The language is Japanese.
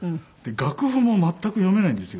楽譜も全く読めないんですよ。